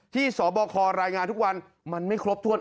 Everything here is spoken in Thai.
สบครายงานทุกวันมันไม่ครบถ้วน